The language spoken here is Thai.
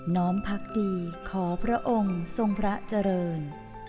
้อมพักดีขอพระองค์ทรงพระเจริญ